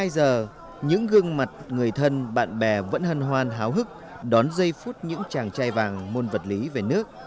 hai mươi hai giờ những gương mặt người thân bạn bè vẫn hân hoan háo hức đón giây phút những chàng trai vàng môn vật lý về nước